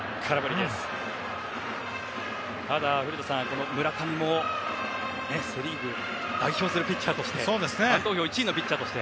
ただ、古田さん村上もセ・リーグを代表するピッチャーとしてファン投票１位のピッチャーとして。